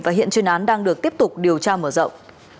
và hiện chuyên án đang được tiếp tục điều tra mở rộng